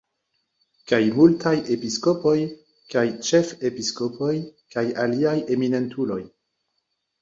Kaj multaj episkopoj kaj ĉefepiskopoj kaj aliaj eminentuloj.